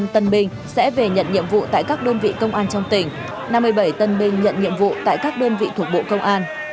một trăm linh tân binh sẽ về nhận nhiệm vụ tại các đơn vị công an trong tỉnh năm mươi bảy tân binh nhận nhiệm vụ tại các đơn vị thuộc bộ công an